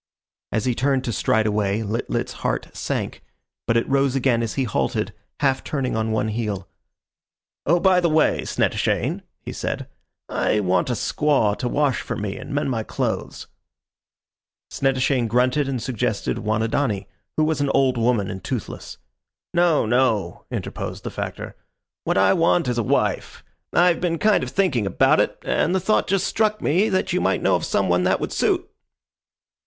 As he turned to stride away Lit lit's heart sank; but it rose again as he halted, half turning on one heel. "Oh, by the way, Snettishane," he said, "I want a squaw to wash for me and mend my clothes." Snettishane grunted and suggested Wanidani, who was an old woman and toothless. "No, no," interposed the Factor. "What I want is a wife. I've been kind of thinking about it, and the thought just struck me that you might know of some one that would suit."